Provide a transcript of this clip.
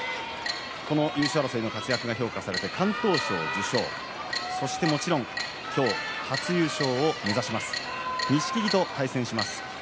優勝争いの活躍が評価されて敢闘賞受賞そしてもちろん今日は初優勝を目指して錦木と対戦します。